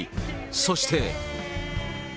そして。